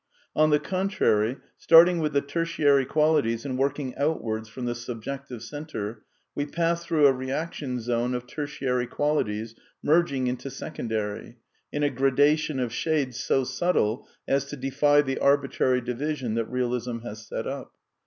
On the contrary, starting with the tertiary qualities and \ working outwards from the subjective centre, we pass through a reaction zone of tertiary qualities merging into: secondary, in a gradation of shades so subtle as to defy the arbitrary division that Eealism has set up.